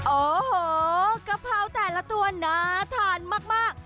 โอ้โหกะเพราแต่ละตัวน่าทานมาก